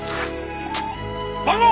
番号！